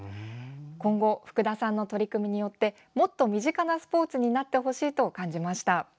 今後、福田さんの取り組みによってもっと身近なスポ―ツになってほしいと感じました。